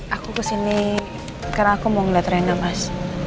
aku kesini karena aku mau ngeliat rena mas